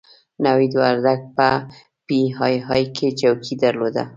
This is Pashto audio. نوید وردګ په پي ای اې کې چوکۍ درلوده.